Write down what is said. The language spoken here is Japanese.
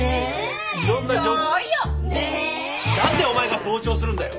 何でお前が同調するんだよ？